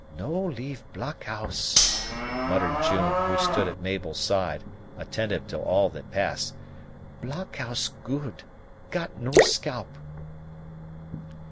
"No leave blockhouse," muttered June, who stood at Mabel's side, attentive to all that passed. "Blockhouse good got no scalp."